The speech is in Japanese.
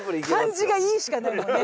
「感じがいい」しかないよね